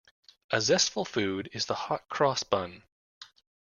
A zestful food is the hot-cross bun.